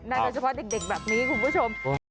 โดยเฉพาะเด็กแบบนี้คุณผู้ชม